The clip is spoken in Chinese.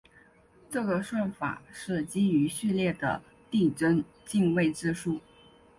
这个算法是基于序列的递增进位制数。